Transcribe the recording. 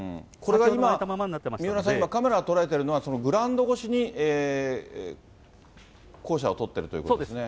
先ほど、三浦さん、今、カメラが捉えているのは、グラウンド越しに校舎を撮ってるということですね。